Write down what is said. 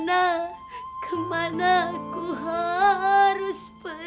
jadi sekarang aku harus pergi